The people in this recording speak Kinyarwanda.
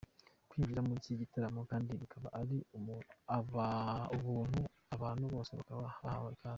Kwinjira muri iki gitaramo kandi bikaba ari ubuntu, abantu bose bakaba bahawe ikaze.